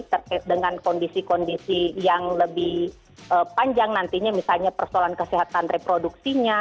terkait dengan kondisi kondisi yang lebih panjang nantinya misalnya persoalan kesehatan reproduksinya